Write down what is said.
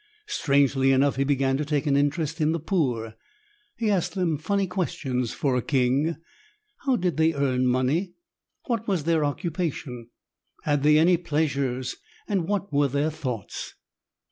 Strangely enough, he began to take an interest in the poor. He asked them funny questions for a king. How did they earn money? What was their occupation? Had they any pleasures? And what were their thoughts?